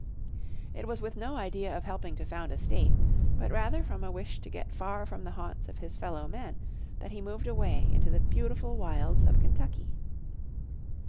It was with no idea of helping to found a state, but rather from a wish to get far from the haunts of his fellowmen that he moved away into the beautiful wilds of Kentucky.